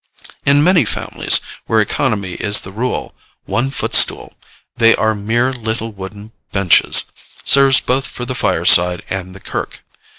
In many families, where economy is the rule, one footstool they are mere little wooden benches serves both for the fireside and the kirk.